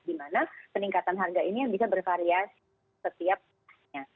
di mana peningkatan harga ini yang bisa bervariasi setiapnya